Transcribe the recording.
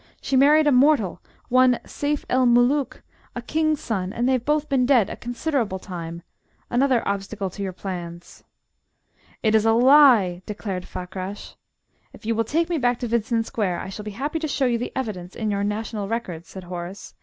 She married a mortal, one Seyf el Mulook, a King's son, and they've both been dead a considerable time another obstacle to your plans." "It is a lie," declared Fakrash. "If you will take me back to Vincent Square, I shall be happy to show you the evidence in your national records," said Horace.